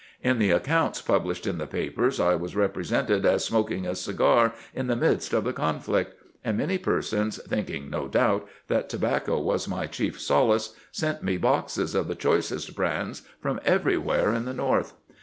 In the ac counts published in the papers I was represented as smoking a cigar in the midst of the conflict ; and many persons, thinking, no doubt, that tobacco was my chief solace, sent me boxes of the choicest brands from every where in the North.